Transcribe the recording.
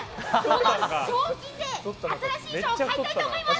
賞金で新しい衣装を買いたいと思います。